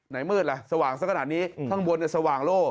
มืดล่ะสว่างสักขนาดนี้ข้างบนสว่างโล่